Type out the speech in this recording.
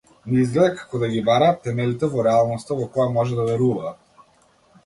Ми изгледа како да ги бараат темелите во реалноста во која можат да веруваат.